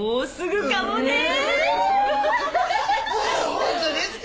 ホントですか！？